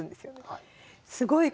はい。